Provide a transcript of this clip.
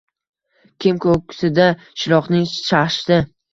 Kim ko‘ksida Shiroqning shashti